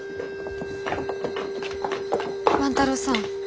万太郎さん。